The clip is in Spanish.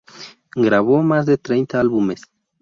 Grabó más de treinta álbumes.